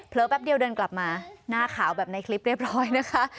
แป๊บเดียวเดินกลับมาหน้าขาวแบบในคลิปเรียบร้อยนะคะ